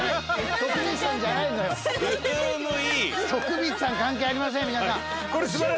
徳光さん関係ありません皆さん。